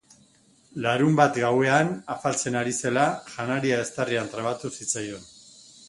Larunbat gauean, afaltzen ari zela, janaria eztarrian trabatu zitzaion.